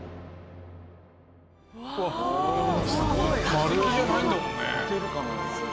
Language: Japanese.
化石じゃないんだもんね。